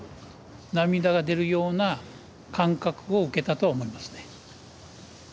涙が出るような感覚を受けたとは思いますね。